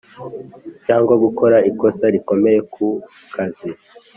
cyangwa gukora ikosa rikomeye ku kazi